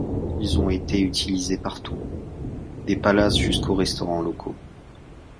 Ils ont été utilisés partout, des palaces jusqu'aux restaurants locaux.